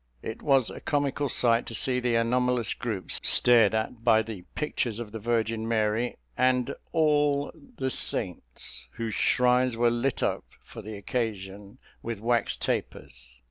It was a comical sight to see the anomalous groups stared at by the pictures of the Virgin Mary and all the saints, whose shrines were lit up for the occasion with wax tapers.